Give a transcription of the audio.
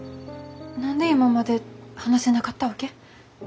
何で今まで話せなかったわけ？